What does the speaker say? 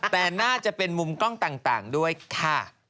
แต่น่าจะเป็นมุมกล้องต่างด้วยค่ะ